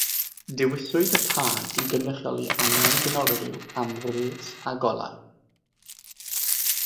Dewiswyd tân i gynrychioli angen dynolryw am wres a golau.